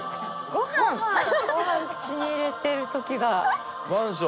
ご飯口に入れてる時だ。